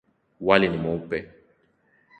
Wali ni mweupe.